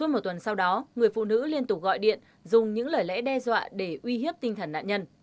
một tuần sau đó người phụ nữ liên tục gọi điện dùng những lời lẽ đe dọa để uy hiếp tinh thần nạn nhân